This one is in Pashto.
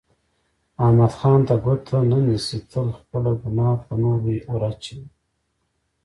احمد ځان ته ګوته نه نیسي، تل خپله ګناه په نورو ور اچوي.